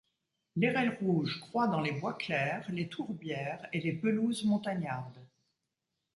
L'airelle rouge croît dans les bois clairs, les tourbières et les pelouses montagnardes.